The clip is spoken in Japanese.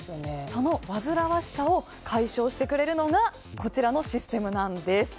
その煩わしさを解消してくれるのがこちらのシステムなんです。